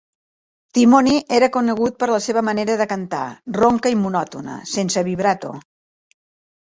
Timony era conegut per la seva manera de cantar, ronca i monòtona, sense vibrato.